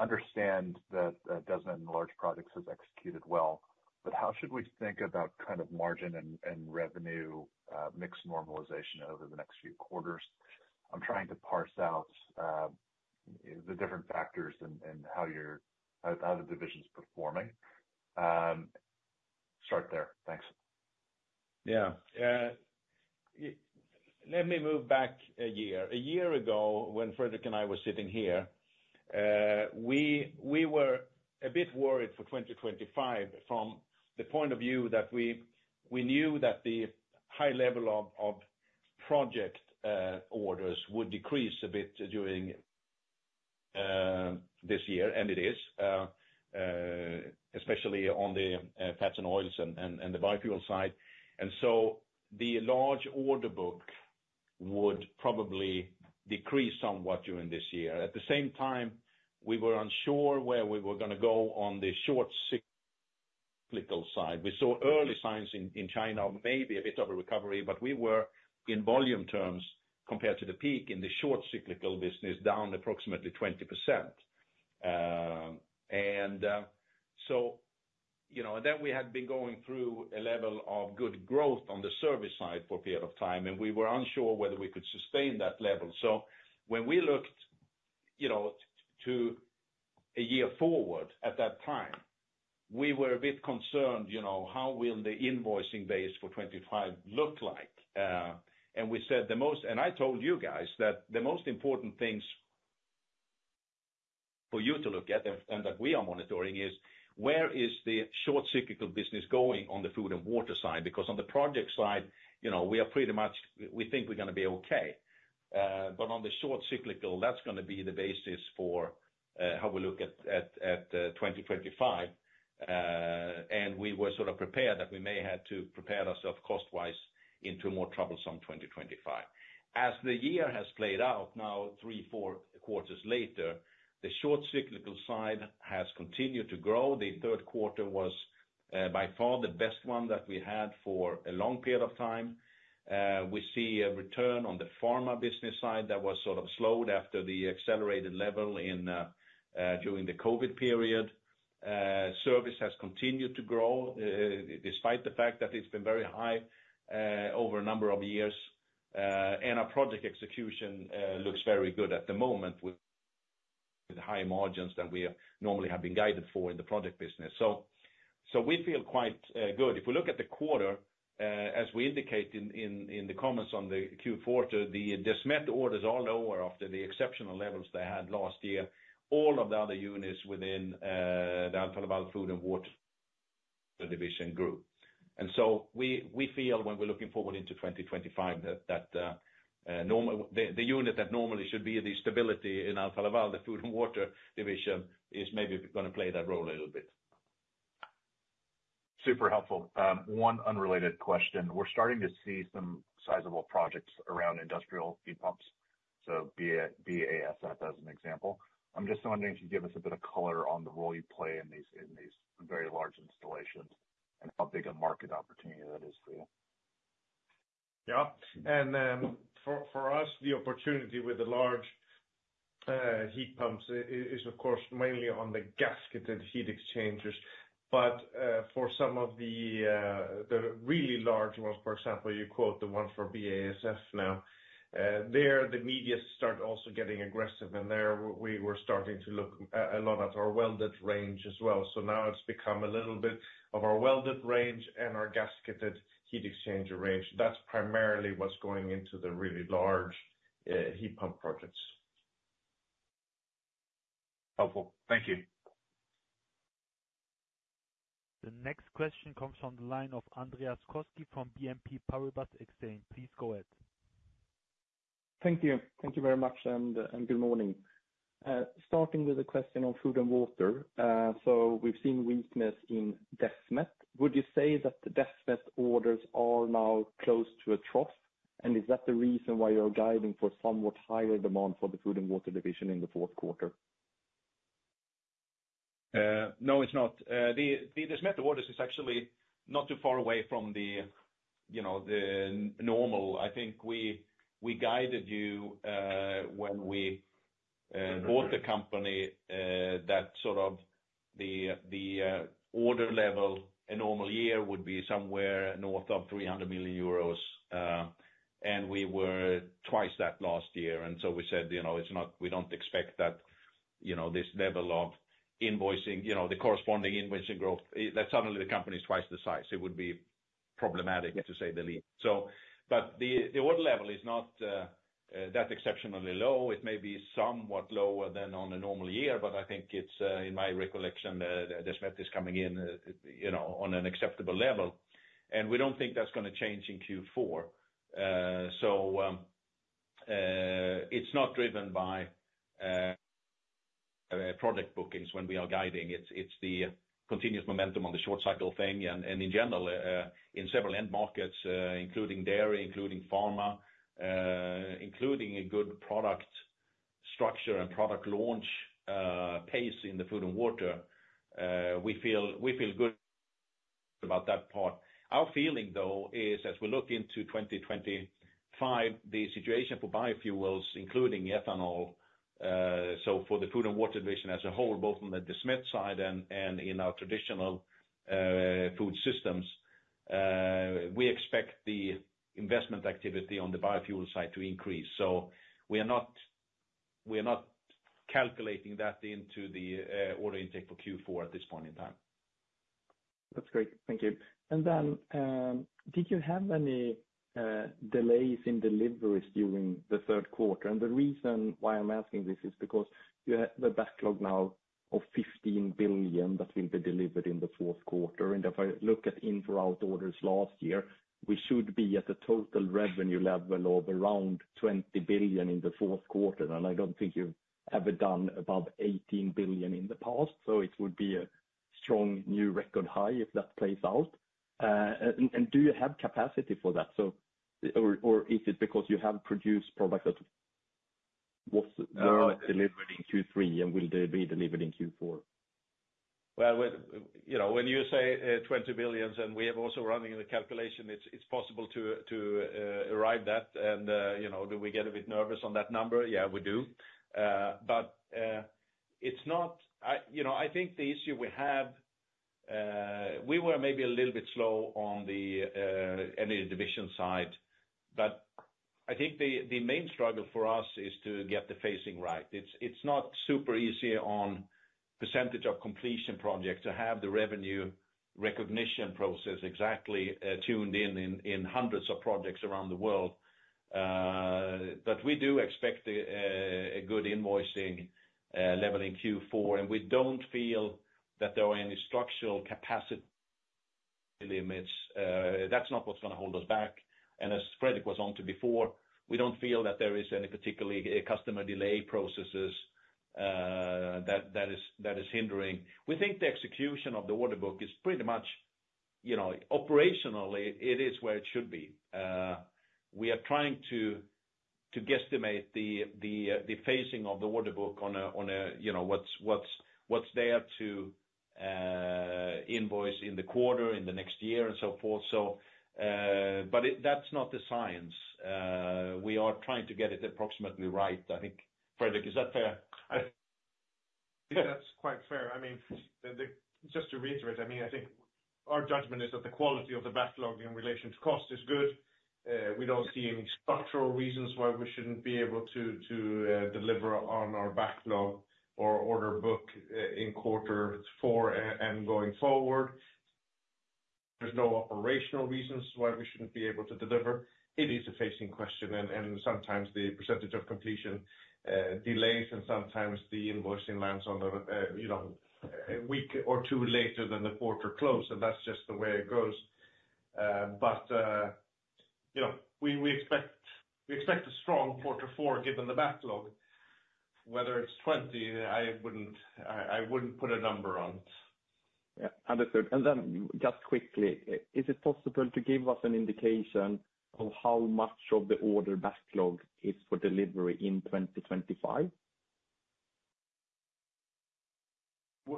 Understand that dozen and large projects has executed well, but how should we think about kind of margin and revenue mix normalization over the next few quarters? I'm trying to parse out the different factors in how your division's performing. Start there. Thanks. Yeah. Let me move back a year. A year ago, when Fredrik and I were sitting here, we were a bit worried for 2025 from the point of view that we knew that the high level of project orders would decrease a bit during this year, and it is. Especially on the fats and oils and the biofuel side. And so the large order book would probably decrease somewhat during this year. At the same time, we were unsure where we were gonna go on the short cyclical side. We saw early signs in China of maybe a bit of a recovery, but we were, in volume terms, compared to the peak in the short cyclical business, down approximately 20%. You know, then we had been going through a level of good growth on the service side for a period of time, and we were unsure whether we could sustain that level. When we looked, you know, to a year forward at that time, we were a bit concerned, you know, how will the invoicing base for '25 look like? We said, and I told you guys that the most important things for you to look at and that we are monitoring is where the short cyclical business is going on the Food and Water side? Because on the project side, you know, we are pretty much, we think we're gonna be okay. On the short cyclical, that's gonna be the basis for how we look at 2025. And we were sort of prepared that we may have to prepare ourselves cost-wise into a more troublesome 2025. As the year has played out, now three, four quarters later, the short cyclical side has continued to grow. The third quarter was, by far, the best one that we had for a long period of time. We see a return on the pharma business side that was sort of slowed after the accelerated level in, during the COVID period. Service has continued to grow, despite the fact that it's been very high, over a number of years. And our project execution looks very good at the moment, with high margins than we normally have been guided for in the project business. So, so we feel quite good. If we look at the quarter, as we indicate in the comments on the Q4, the Desmet orders are lower after the exceptional levels they had last year. All of the other units within the Food and Water Division group. and so we feel when we're looking forward into 2025, that normal... The unit that normally should be the stability in Alfa Food and Water Division, is maybe gonna play that role a little bit. Super helpful. One unrelated question. We're starting to see some sizable projects around industrial heat pumps, so BASF as an example. I'm just wondering if you could give us a bit of color on the role you play in these very large installations, and how big a market opportunity that is for you. Yeah. And for us, the opportunity with the large heat pumps is, of course, mainly on the gasketed heat exchangers. But for some of the really large ones, for example, you know the one for BASF now, there the media start also getting aggressive, and there we were starting to look a lot at our welded range as well. So now it's become a little bit of our welded range and our gasketed heat exchanger range. That's primarily what's going into the really large heat pump projects. Helpful. Thank you. The next question comes from the line of Andreas Koski from BNP Paribas Exane. Please go ahead. Thank you. Thank you very much, and good morning. Starting with a question on Food and Water. So we've seen weakness in Desmet. Would you say that the Desmet orders are now close to a trough? And is that the reason why you're guiding for somewhat higher demand Food and Water Division in the fourth quarter? No, it's not. The Desmet orders is actually not too far away from you know, the normal. I think we guided you when we bought the company that sort of the order level, a normal year would be somewhere north of 300 million euros, and we were twice that last year. And so we said, you know, it's not. We don't expect that, you know, this level of invoicing, you know, the corresponding invoicing growth that suddenly the company is twice the size. It would be problematic, to say the least. But the order level is not that exceptionally low. It may be somewhat lower than on a normal year, but I think it's in my recollection that Desmet is coming in, you know, on an acceptable level. We don't think that's gonna change in Q4. It's not driven by product bookings when we are guiding. It's the continuous momentum on the short cycle thing, and in general, in several end markets, including dairy, including pharma, including a good product structure and product launch pace in the Food and Water. We feel good about that part. Our feeling, though, is as we look into 2025, the situation for biofuels, including ethanol, so Food and Water Division as a whole, both on the Desmet side and in our traditional food systems, we expect the investment activity on the biofuel side to increase. We are not calculating that into the order intake for Q4 at this point in time. That's great, thank you. Then, did you have any delays in deliveries during the third quarter? The reason why I'm asking this is because you have the backlog now of 15 billion that will be delivered in the fourth quarter. If I look at inflow orders last year, we should be at a total revenue level of around 20 billion in the fourth quarter, and I don't think you've ever done above 18 billion in the past, so it would be a strong new record high if that plays out. And do you have capacity for that? Or is it because you have produced products that was delivered in Q3, and will they be delivered in Q4? Well, you know, when you say twenty billion, and we have also running the calculation, it's possible to arrive that. And, you know, do we get a bit nervous on that number? Yeah, we do. But, it's not. I, you know, I think the issue we have, we were maybe a little bit slow on the Energy Division side, but I think the main struggle for us is to get the phasing right. It's not super easy on percentage of completion projects to have the revenue recognition process exactly tuned in in hundreds of projects around the world. But we do expect a good invoicing level in Q4, and we don't feel that there are any structural capacity limits. That's not what's gonna hold us back, and as Fredrik was on to before, we don't feel that there is any particularly customer delay processes that is hindering. We think the execution of the order book is pretty much, you know, operationally, it is where it should be. We are trying to guesstimate the phasing of the order book on a, you know, what's there to invoice in the quarter, in the next year, and so forth. So, but that's not the science. We are trying to get it approximately right. I think, Fredrik, is that fair? I think that's quite fair. I mean, just to reiterate, I mean, I think our judgment is that the quality of the backlog in relation to cost is good. We don't see any structural reasons why we shouldn't be able to deliver on our backlog or order book in quarter four and going forward. There's no operational reasons why we shouldn't be able to deliver. It is a phasing question, and sometimes the percentage of completion delays and sometimes the invoicing lands on the you know, a week or two later than the quarter close, and that's just the way it goes. You know, we expect a strong quarter four, given the backlog. Whether it's twenty, I wouldn't put a number on it. Yeah, understood. And then just quickly, is it possible to give us an indication of how much of the order backlog is for delivery in 2025?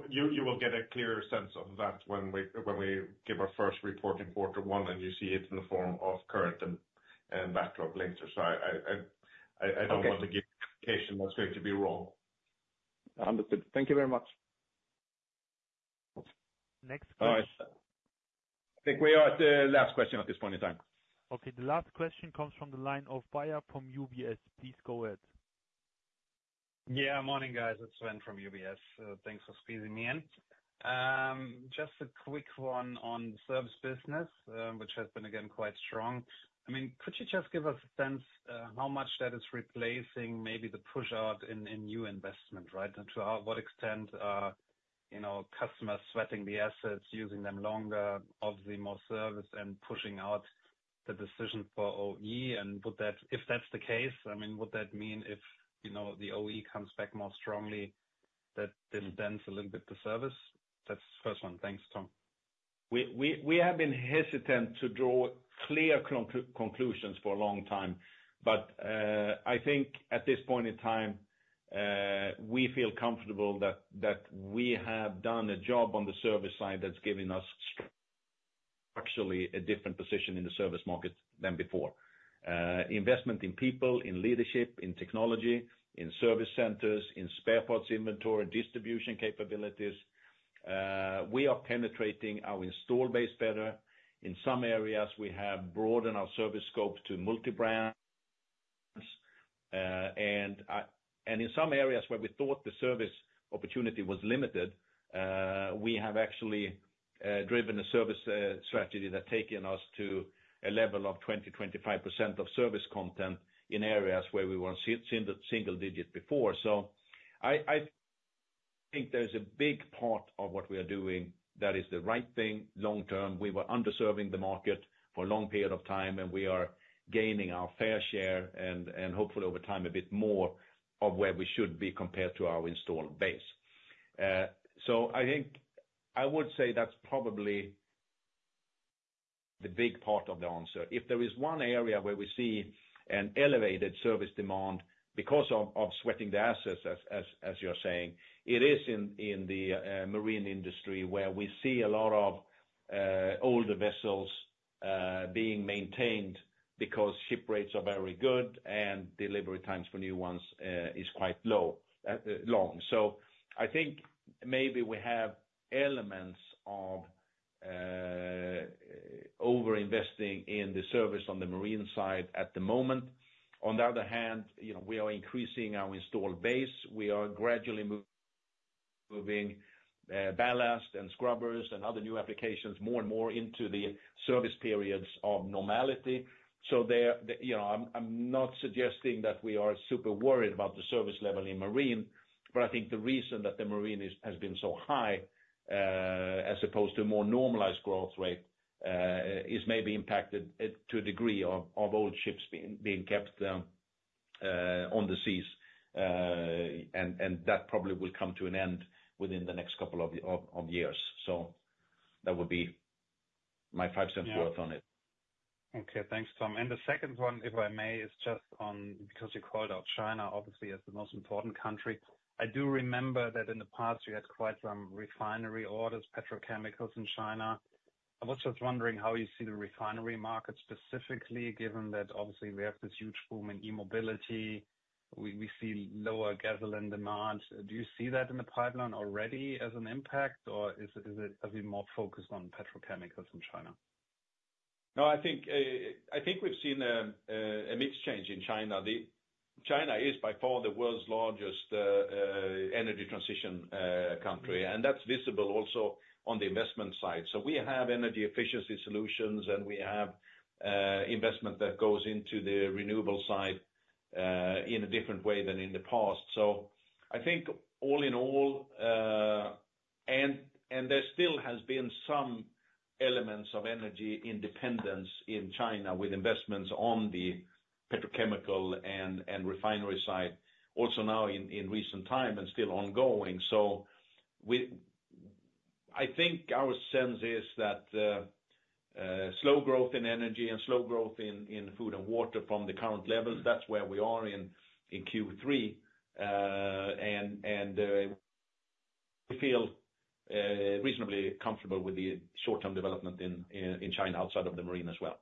You will get a clearer sense of that when we give our first report in quarter one, and you see it in the form of current and backlog links. I don't want to give indication that's going to be wrong. Understood. Thank you very much. Next question. All right. I think we are at the last question at this point in time. Okay, the last question comes from the line of Sven Weier from UBS. Please go ahead. Yeah, morning, guys. It's Sven from UBS. Thanks for squeezing me in. Just a quick one on the service business, which has been again, quite strong. I mean, could you just give us a sense, how much that is replacing maybe the pushout in new investment, right? And to what extent are, you know, customers sweating the assets, using them longer, obviously more service and pushing out the decision for OE, and would that, if that's the case, I mean, would that mean if, you know, the OE comes back more strongly, that it dents a little bit, the service? That's the first one. Thanks, Tom. We have been hesitant to draw clear conclusions for a long time, but I think at this point in time we feel comfortable that we have done a job on the service side that's giving us actually a different position in the service market than before. Investment in people, in leadership, in technology, in service centers, in spare parts inventory, distribution capabilities, we are penetrating our installed base better. In some areas, we have broadened our service scope to multi-brands, and in some areas where we thought the service opportunity was limited, we have actually driven a service strategy that taken us to a level of 20-25% of service content in areas where we were seeing the single digit before. I think there's a big part of what we are doing that is the right thing long term. We were underserving the market for a long period of time, and we are gaining our fair share, and hopefully over time, a bit more of where we should be compared to our installed base. So I think I would say that's probably the big part of the answer. If there is one area where we see an elevated service demand because of sweating the assets, as you're saying, it is in the marine industry, where we see a lot of older vessels being maintained because ship rates are very good and delivery times for new ones is quite long. So I think-... Maybe we have elements of over-investing in the service on the marine side at the moment. On the other hand, you know, we are increasing our installed base. We are gradually moving ballast and scrubbers and other new applications more and more into the service periods of normality. So there, you know, I'm not suggesting that we are super worried about the service level in marine, but I think the reason that the marine is, has been so high, as opposed to a more normalized growth rate, is maybe impacted to a degree of old ships being kept on the seas, and that probably will come to an end within the next couple of years. So that would be my five cents worth on it. Okay, thanks, Tom. And the second one, if I may, is just on, because you called out China, obviously, as the most important country. I do remember that in the past, you had quite some refinery orders, petrochemicals in China. I was just wondering how you see the refinery market specifically, given that obviously, we have this huge boom in e-mobility, we see lower gasoline demand. Do you see that in the pipeline already as an impact, or is it a bit more focused on petrochemicals in China? No, I think, I think we've seen a mixed change in China. China is by far the world's largest energy transition country, and that's visible also on the investment side. So we have energy efficiency solutions, and we have investment that goes into the renewable side in a different way than in the past. So I think all in all, and there still has been some elements of energy independence in China with investments on the petrochemical and refinery side, also now in recent time, and still ongoing. So I think our sense is that slow growth in energy and slow growth in Food and Water from the current level, that's where we are in Q3. We feel reasonably comfortable with the short-term development in China, outside of the marine as well.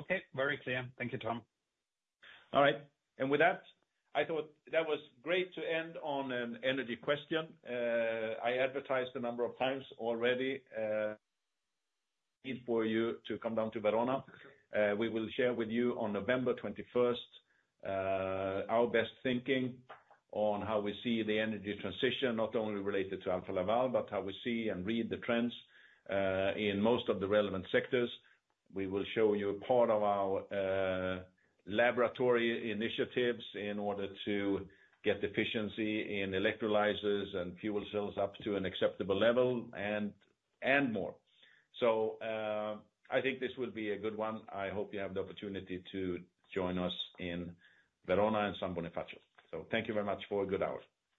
Okay. Very clear. Thank you, Tom. All right. With that, I thought that was great to end on an energy question. I have invited you a number of times already to come down to Verona. We will share with you on November twenty-first our best thinking on how we see the energy transition, not only related to Alfa Laval, but how we see and read the trends in most of the relevant sectors. We will show you a part of our laboratory initiatives in order to get the efficiency in electrolysis and fuel cells up to an acceptable level, and more. I think this will be a good one. I hope you have the opportunity to join us in Verona and San Bonifacio. Thank you very much for a good hour.